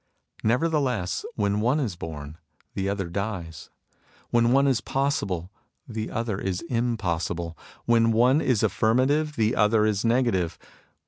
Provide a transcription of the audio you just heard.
Nevertheless; when one is born, the other dies. When one is possible, the other is impossible. When one is affirmative, the other is negative.